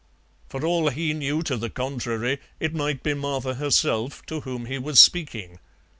For all he knew to the contrary, it might be Martha herself to whom he was speaking.